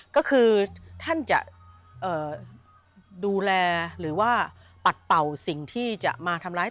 ก็คือท่านจะดูแลหรือว่าปัดเป่าสิ่งที่จะมาทำร้าย